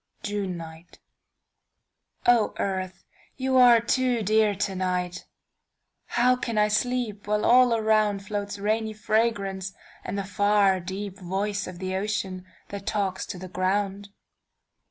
JUNE NIGHTO EARTH you are too dear to night, How can I sleep, while all aroundFloats rainy fragrance and the farDeep voice of the ocean that talks to the ground?